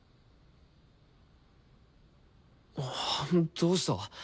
どうした？